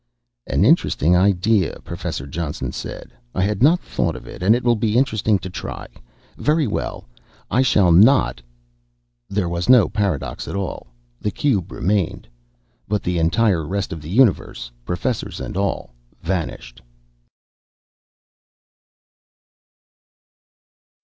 "An interesting idea," Professor Johnson said. "I had not thought of it, and it will be interesting to try. Very well, I shall not ..." There was no paradox at all. The cube remained. But the entire rest of the Universe, professors and all, vanished.